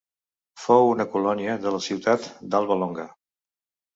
Fou una colònia de la ciutat d'Alba Longa.